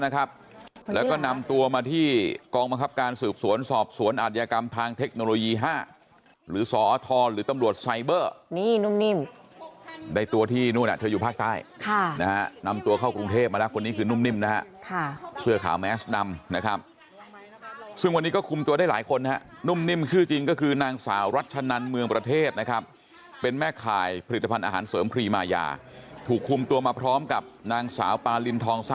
นะครับแล้วก็นำตัวมาที่กองบังคับการสืบสวนสอบสวนอาจยากรรมทางเทคโนโลยี๕หรือสอหรือตำรวจไซเบอร์นี่นุ่มนิ่มได้ตัวที่นู่นอยู่ภาคใต้ค่ะนำตัวเข้ากรุงเทพมาแล้วคนนี้คือนุ่มนิ่มนะครับเสื้อขาวแมสดำนะครับซึ่ง